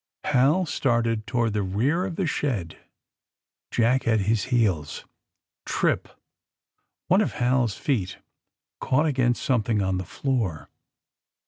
Hal started toward the rear of the shed. Jack at his heels. Trip! One of Hal's feet caught against something on the floor.